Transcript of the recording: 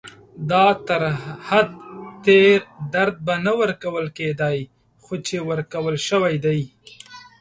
دا تر حد تېر درد به نه ورکول کېدای، خو چې ورکول شوی دی.